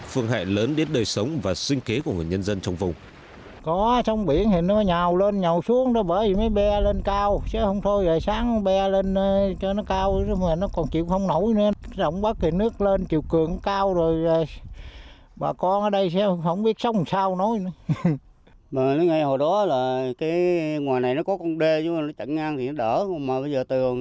phương hại lớn đến đời sống và sinh kế của người nhân dân trong vùng